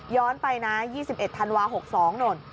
ไปนะ๒๑ธันวา๖๒โน่น